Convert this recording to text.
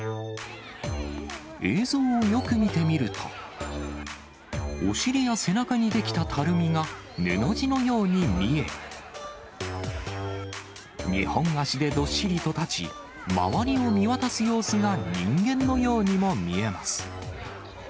映像をよく見てみると、お尻や背中に出来たたるみが、布地のように見え、二本足でどっしりと立ち、周りを見渡す様子が人間のようにも見えます。